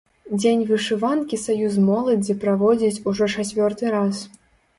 Дзень вышыванкі саюз моладзі праводзіць ужо чацвёрты раз.